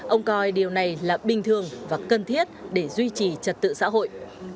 ông coi điều này là bình thường và cần thiết để duy trì trật tự xã hội